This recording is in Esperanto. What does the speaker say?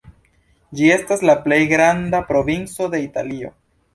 Ĝi estas la plej malgranda provinco de Italio.